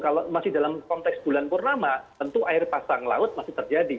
kalau masih dalam konteks bulan purnama tentu air pasang laut masih terjadi